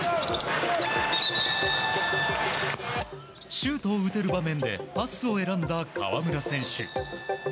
シュートを打てる場面でパスを選んだ河村選手。